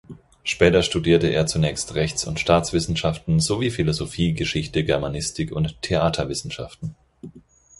Später studierte er zunächst Rechts- und Staatswissenschaften sowie Philosophie, Geschichte, Germanistik und Theaterwissenschaften.